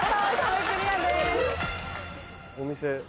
お店。